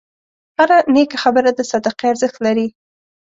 هره نیکه خبره د صدقې ارزښت لري.